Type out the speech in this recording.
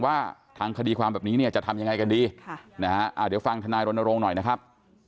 ว่าทางคดีความแบบนี้เนี่ยจะทำยังไงกันดีเดี๋ยวฟังธนายรณรงค์หน่อยนะครับ